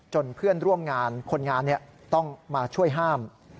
เพื่อนร่วมงานคนงานต้องมาช่วยห้าม